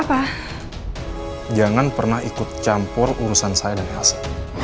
tante jangan pernah ikut campur urusan saya dan elsa